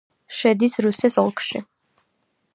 შედის რუსეს ოლქში.